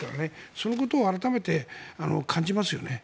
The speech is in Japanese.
そのことを改めて感じますよね。